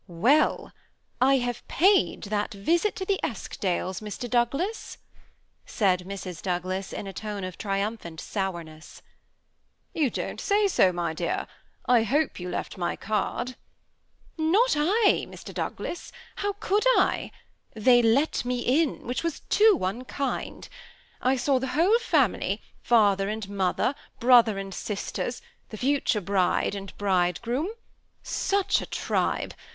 "Well, I have paid that visit to the Eskdales, Mr. Doujglas/' said Mrs. Douglas, in a tone of triumphant sourness. " You don't say so, my dear ! I hope you left my card?" « Not I, Mr. Douglas. How could I ?' They let me in, which was too unkind. I saw the whole family, father and mother, brother and sisters, — the future bride and bridegroom. Such a tribe